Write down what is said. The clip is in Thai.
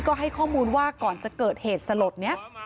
ก็ให้ข้อมูลว่าก่อนจะเกิดเหตุสลดนี้